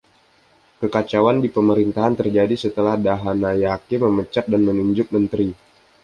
Kekacauan di pemerintahan terjadi setelah Dahanayake memecat dan menunjuk menteri.